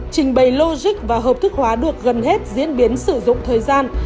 trình bày logic và hợp thức hóa được gần hết diễn biến sử dụng thời gian